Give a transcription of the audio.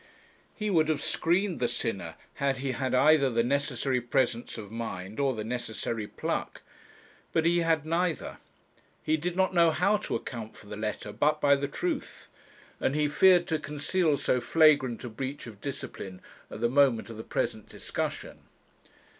He would have screened the sinner had he had either the necessary presence of mind or the necessary pluck. But he had neither. He did not know how to account for the letter but by the truth, and he feared to conceal so flagrant a breach of discipline at the moment of the present discussion.